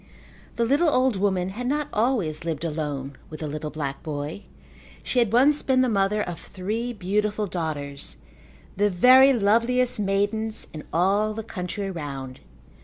The little old woman had not always lived alone with the little black boy. She had once been the mother of three beautiful daughters, the very loveliest maidens in all the country round.